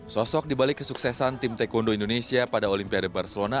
sosok dibalik kesuksesan tim taekwondo indonesia pada olimpiade barcelona